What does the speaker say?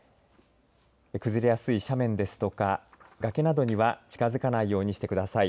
崩れやすい斜面ですとか崖などには近づかないようにしてください